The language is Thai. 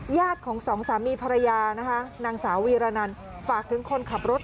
ญาติของสองสามีภรรยานะคะนางสาววีรนันฝากถึงคนขับรถ